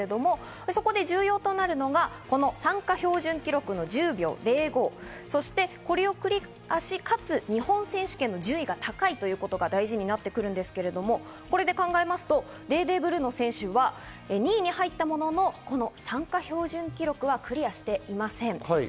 そこで重要となるのがこの参加標準記録の１０秒０５、これをクリアし、かつ日本選手権の順位が高いということが大事になってくるんですが、デーデー・ブルーノ選手は２位に入ったものの、参加標準記録はクリアしていません。